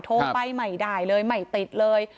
โทรไปไม่ได้เลยไม่ติดเลย